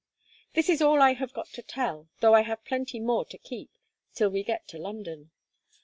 This is all I have got to tell, though I have plenty more to keep, till we get to London.